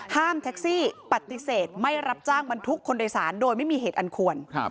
แท็กซี่ปฏิเสธไม่รับจ้างบรรทุกคนโดยสารโดยไม่มีเหตุอันควร